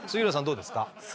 どうですか？